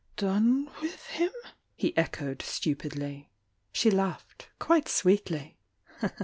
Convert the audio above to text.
Done with him?" he echoed stupidly bhe laughed, quite sweetly.